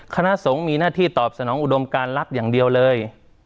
คณะสงฆ์มีหน้าที่ตอบสนองอุดมการรับอย่างเดียวเลย